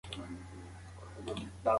اوبه چي د ژوند سرچینه ده د بل چا شوې.